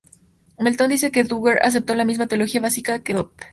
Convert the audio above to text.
Melton dice que Dugger aceptó la misma teología básica que Dodd.